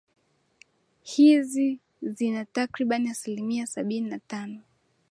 hizi zina takriban asilimia sabinia na tano